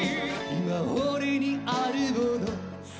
今俺にあるもの